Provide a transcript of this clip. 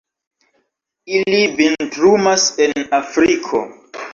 Ili vintrumas en Afriko.